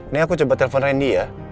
ini aku coba telepon randy ya